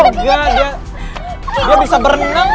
dia bisa berenang